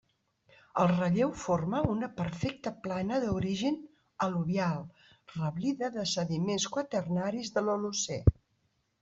El relleu forma una perfecta plana d'origen al·luvial, reblida de sediments quaternaris de l'Holocé.